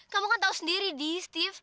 kamu kan tahu sendiri di steve